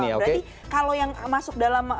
berarti kalau yang masuk dalam